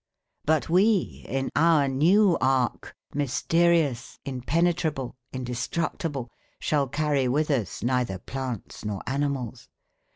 "But we, in our new ark, mysterious, impenetrable, indestructible, shall carry with us neither plants nor animals.